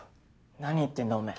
何言ってんだおめえ。